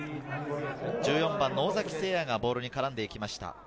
１４番の尾崎晟也がボールに絡んでいきました。